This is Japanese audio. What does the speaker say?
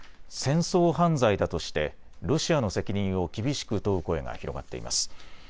戦争犯罪だとしてロシアの責任を厳しく問う声が広がっています。